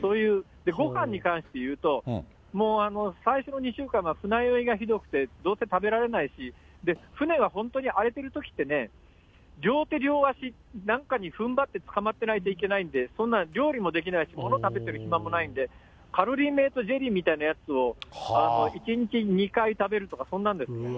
で、ごはんに関していうと、もう最初の２週間は船酔いがひどくて、どうせ食べられないし、船が本当に荒れてるときってね、両手両足、なんかにふんばってつかまってないといけないんで、そんな料理もできないし、物食べてる暇もないんで、カロリーメイトゼリーみたいなやつを、１日２回食べるとか、そんなんですよ。